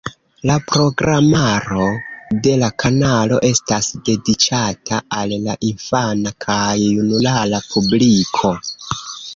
La programaro de la kanalo estas dediĉata al la infana kaj junulara publiko.